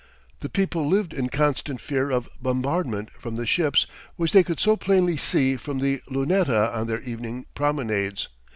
The people lived in constant fear of bombardment from the ships which they could so plainly see from the Luneta on their evening promenades.